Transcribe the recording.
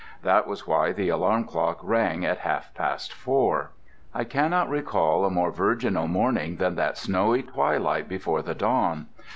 That was why the alarm clock rang at half past four. I cannot recall a more virginal morning than that snowy twilight before the dawn.